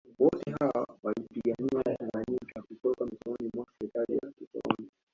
Wote hawa waliipigania Tanganyika kutoka mikononi mwa serikali ya kikoloni